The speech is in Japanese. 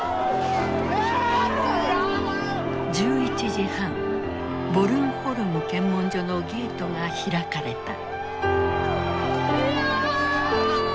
１１時半ボルンホルム検問所のゲートが開かれた。